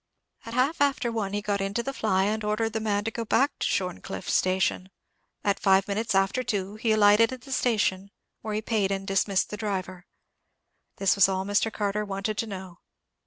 At half after one he got into the fly, and ordered the man to go back to Shorncliffe station. At five minutes after two he alighted at the station, where he paid and dismissed the driver. This was all Mr. Carter wanted to know.